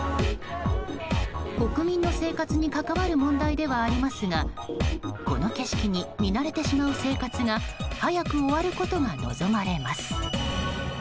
国民の生活に関わる問題ではありますがこの景色に見慣れてしまう生活が早く終わることが望まれます。